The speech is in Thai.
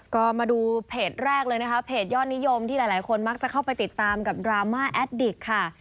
ก็มาดูเพจแรกเลยนะคะเพจยอดนิยมที่หลายคนมักจะเข้าไปติดตามกับดราม่าแอดดิกค่ะ